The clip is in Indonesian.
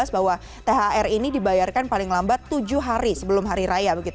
bahwa thr ini dibayarkan paling lambat tujuh hari sebelum hari raya